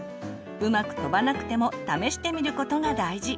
うまく飛ばなくても試してみることが大事。